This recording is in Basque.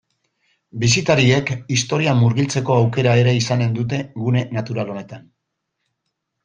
Bisitariek historian murgiltzeko aukera ere izanen dute gune natural honetan.